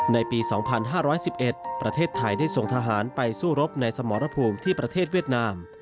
ในปี๒๕๑๑ประเทศไทยได้ส่งทหารไปสู้รบในสมรภูมิที่ประเทศเวียดนาม